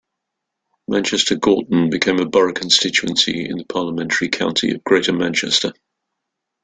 Manchester Gorton became a borough constituency in the parliamentary county of Greater Manchester.